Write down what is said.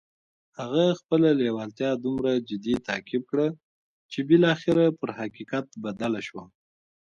هغه خپله لېوالتیا دومره جدي تعقيب کړه چې بالاخره پر حقيقت بدله شوه.